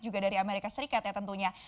juga dari amerika serikat ya tentunya